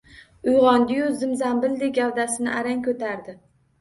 Uyg`ondi-yu, zimzambildek gavdasini arang ko`tardi